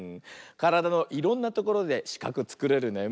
からだのいろんなところでしかくつくれるね。